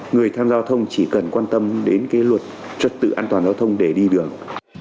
người tham gia giao thông chỉ cần quan tâm đến cái luật trật tự an toàn giao thông để đi đường